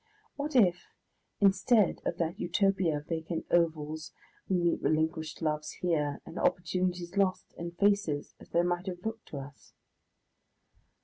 What if instead of that Utopia of vacant ovals we meet relinquished loves here, and opportunities lost and faces as they might have looked to us?